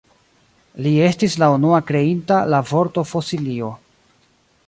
Li estis la unua kreinta la vorto Fosilio.